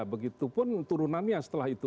begitupun turunannya setelah itu